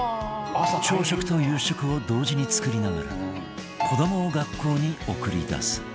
朝食と夕食を同時に作りながら子どもを学校に送り出す